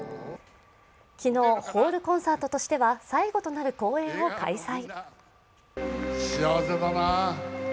昨日、ホールコンサートとしては最後となる公演を開催。